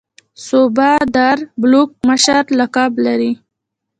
صوبه دار بلوک مشر لقب لري.